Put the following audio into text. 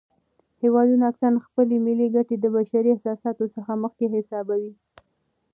هیوادونه اکثراً خپلې ملي ګټې د بشري احساساتو څخه مخکې حسابوي.